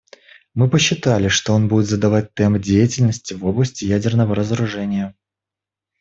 Мы посчитали, что он будет задавать темп деятельности в области ядерного разоружения.